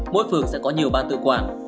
mỗi phường sẽ có nhiều ban tự quản